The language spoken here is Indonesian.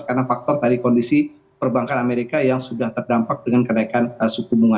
karena faktor tadi kondisi perbankan amerika yang sudah terdampak dengan kenaikan suku bunga